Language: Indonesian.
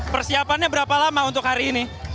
persiapannya berapa lama untuk hari ini